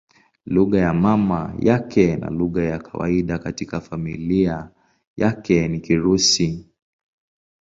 Lugha ya mama yake na lugha ya kawaida katika familia yake ni Kirusi.